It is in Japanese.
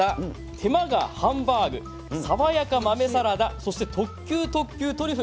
「手間が半バーグ」「爽やか豆サラダ」そして、「特級特急トリュフ」。